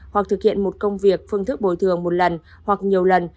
hoặc thực hiện một công việc phương thức bồi thường một lần hoặc nhiều lần